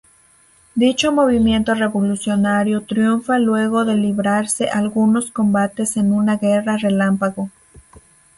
Dicho movimiento revolucionario triunfa luego de librarse algunos combates en una guerra relámpago.